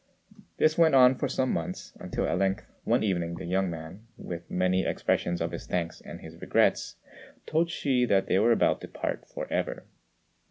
This went on for some months, until at length one evening the young man, with many expressions of his thanks and his regrets, told Hsü that they were about to part for ever.